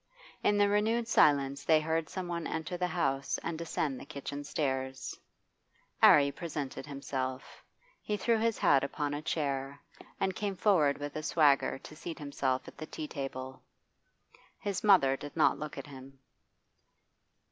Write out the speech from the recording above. In the renewed silence they heard some one enter the house and descend the kitchen stairs. 'Arry presented himself. He threw his hat upon a chair, and came forward with a swagger to seat himself at the tea table. His mother did not look at him.